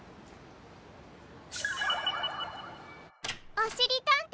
おしりたんていさん。